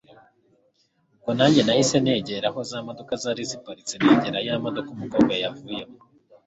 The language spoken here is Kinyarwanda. ubwo nanjye nahise negera aho za modoka zari ziparitse, negera yamodoka umukobwa yavuyemo